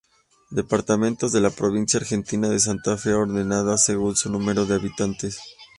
Departamentos de la provincia argentina de Santa Fe ordenados según su número de habitantes.